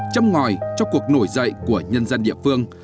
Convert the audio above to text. châm ngòi cho cuộc nổi dậy của nhân dân địa phương